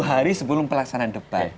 sepuluh hari sebelum pelaksanaan debat